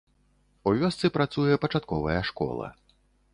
У вёсцы працуе пачатковая школа.